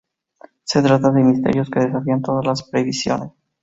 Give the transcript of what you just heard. Se trata de misterios que desafían todas las previsiones.